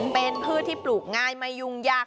เป็นพืชที่ปลูกง่ายไม่ยุ่งยาก